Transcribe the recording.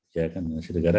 ya kan sedikit